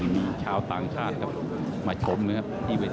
เทิดชนะน้อง๒อตล้านอ้านเออไป๓๐๐๐บาท